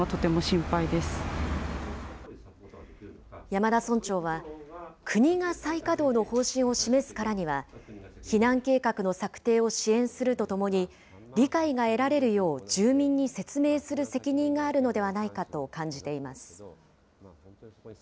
山田村長は、国が再稼働の方針を示すからには、避難計画の策定を支援するとともに、理解が得られるよう、住民に説明する責任があるのではないかと感じています。